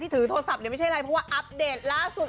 ถือโทรศัพท์เนี่ยไม่ใช่อะไรเพราะว่าอัปเดตล่าสุด